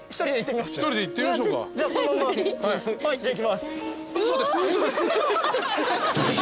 じゃあいきます。